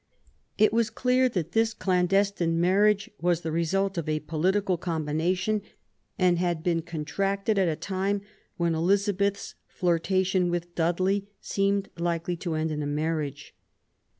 It was clear that this clandestine marriage was the result of a political combination and had been contracted at a time when Elizabeth's flirtation with Dudley seemed likely to end in a marriage.